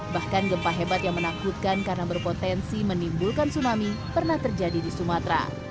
bahkan gempa hebat yang menakutkan karena berpotensi menimbulkan tsunami pernah terjadi di sumatera